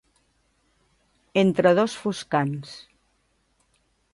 Entre dos foscants.